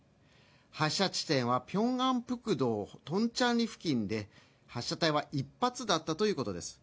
発射地点はピョンアンプクドトンチャンリ付近で発射体は１発だったということです